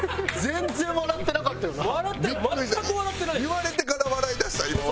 言われてから笑いだした今俺は。